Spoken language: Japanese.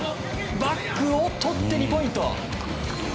バックをとって２ポイント！